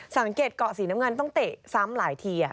สังเกตเกาะสีน้ำเงินต้องเตะซ้ำหลายที